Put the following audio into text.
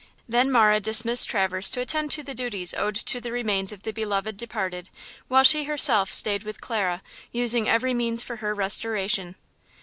Then Marah dismissed Traverse to attend to the duties owed to the remains of the beloved departed, while she herself stayed with Clara, using every means for her restoration.